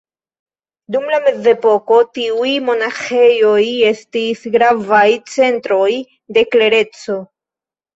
Dum la mezepoko tiuj monaĥejoj estis gravaj centroj de klereco.